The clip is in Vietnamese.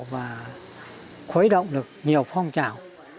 và khuấy động được nhiều phong trào